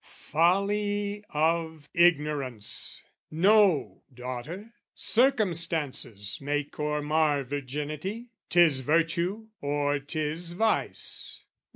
"Folly of ignorance! "Know, daughter, circumstances make or mar "Virginity, 'tis virtue or 'tis vice.